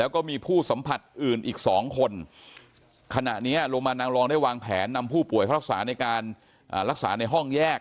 ขณะนี้โรมานางรองได้วางแผนนำผู้ป่วยรักษาในการรักษาในห้องแยก